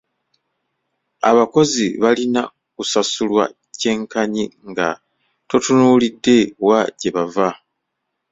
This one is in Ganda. Abakozi balina kusasulwa kyenkanyi nga totunuulidde wa gye bava.